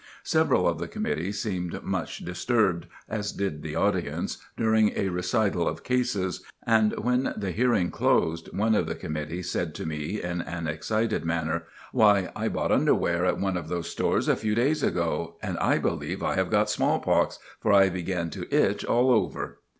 Several of the committee seemed much disturbed, as did the audience, during a recital of cases, and when the hearing closed, one of the committee said to me, in an excited manner, "Why, I bought underwear at one of those stores a few days ago, and I believe I have got smallpox, for I begin to itch all over!"